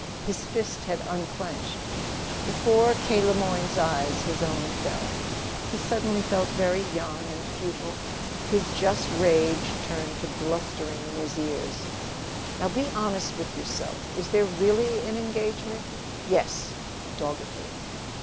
His fist had unclenched. Before K. Le Moyne's eyes his own fell. He felt suddenly young and futile; his just rage turned to blustering in his ears. "Now, be honest with yourself. Is there really an engagement?" "Yes," doggedly.